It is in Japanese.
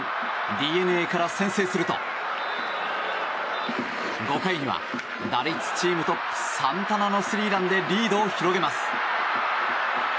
ＤｅＮＡから先制すると５回には、打率チームトップサンタナのスリーランでリードを広げます。